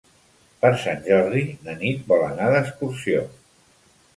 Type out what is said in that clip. Per Sant Jordi na Nit vol anar d'excursió.